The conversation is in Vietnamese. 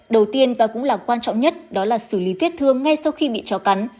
đầu tiên và cũng là quan trọng nhất đó là xử lý vết thương ngay sau khi bị chó cắn